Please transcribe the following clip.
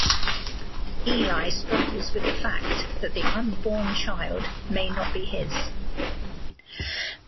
Eli struggles with the fact that the unborn child may not be his.